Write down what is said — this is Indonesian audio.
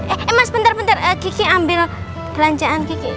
eh mas bentar bentar gigi ambil belanjaan gigi